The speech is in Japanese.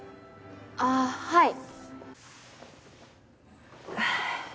あはい。